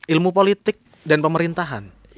ilmu politik dan pemerintahan